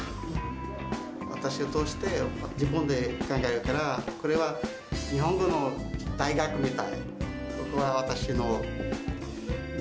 私を通して、自分で考えるから、これは日本語の大学みたい。